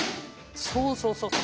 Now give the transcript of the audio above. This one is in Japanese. そうそうそうそう。